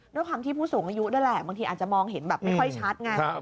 ด้วยความที่ผู้สูงอายุนั่นแหละบางทีอาจจะมองเห็นแบบไม่ค่อยชัดไง